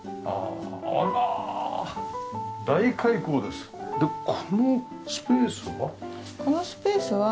でこのスペースは？